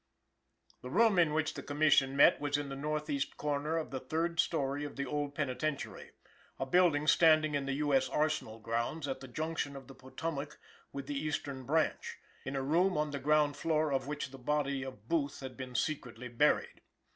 The room in which the Commission met was in the northeast corner of the third story of the Old Penitentiary; a building standing in the U. S. Arsenal Grounds at the junction of the Potomac with the Eastern Branch, in a room on the ground floor of which the body of Booth had been secretly buried.